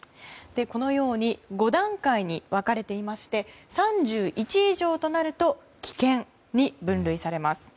このように５段階に分かれていて３１以上となると危険に分類されます。